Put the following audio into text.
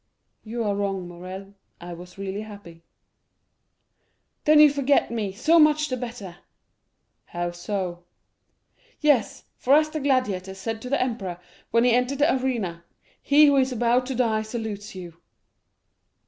"You are wrong, Morrel; I was really happy." "Then you forget me, so much the better." "How so?" "Yes; for as the gladiator said to the emperor, when he entered the arena, 'He who is about to die salutes you.